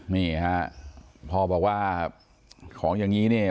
นี่ฮะพ่อบอกว่าของอย่างนี้เนี่ย